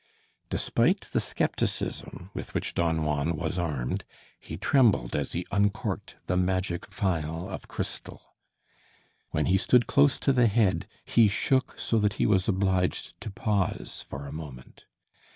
Despite the skepticism with which Don Juan was armed, he trembled as he uncorked the magic phial of crystal. When he stood close to the head he shook so that he was obliged to pause for a moment.